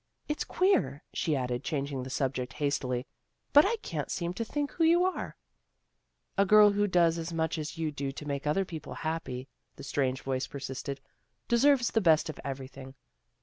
It's 218 THE GIRLS OF FRIENDLY TERRACE queer," she added, changing the subject hastily, " But I can't seem to think who you are." " A girl who does as much as you do to make other people happy," the strange voice persisted, " deserves the best of everything.